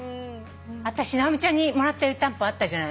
私直美ちゃんにもらった湯たんぽあったじゃない。